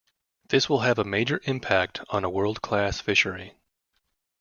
This will have a major impact on a world-class fishery.